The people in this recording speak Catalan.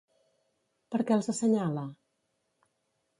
Per què els assenyala?